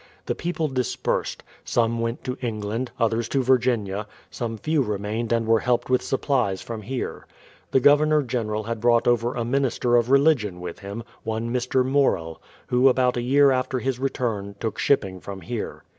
The people dispersed ; some went to England, others to Virginia, some few remained and v/ere helped with supplies from here. The Governor General had brought over a minister of re ligion with him, one Mr. Morrell, who, about a year after his return, took shipping from here.